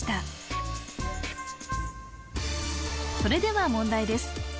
それでは問題です